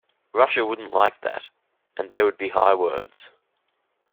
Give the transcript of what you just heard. Russia wouldn’t like that, and there would be high words.